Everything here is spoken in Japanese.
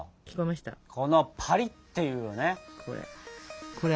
このパリッていうね音よ。